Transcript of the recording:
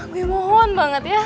gue mohon banget ya